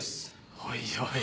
おいおい。